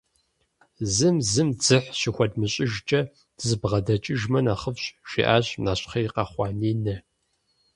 «Зым зым дзыхь щыхуэдмыщӏыжкӏэ, дызэбгъэдэкӏыжымэ нэхъыфӏщ», жиӏащ нэщхъей къэхъуа Нинэ.